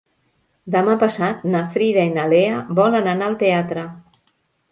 Demà passat na Frida i na Lea volen anar al teatre.